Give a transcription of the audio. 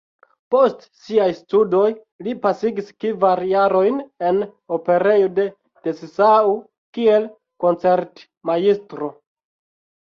Post siaj studoj li pasigis kvar jarojn en Operejo de Dessau kiel koncertmajstro.